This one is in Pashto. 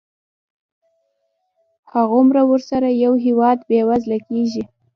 هغومره ورسره یو هېواد بېوزله کېږي.